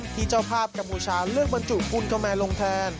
เจ้าภาพกัมพูชาเลือกบรรจุกุลกาแมนลงแทน